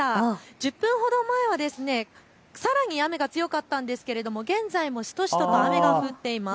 １０分ほど前はさらに雨が強かったんですが現在もしとしとと雨が降ってます。